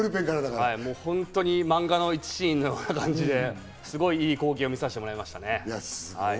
本当に漫画の１シーンのような感じで、すごくいい光景を見させてもらいました。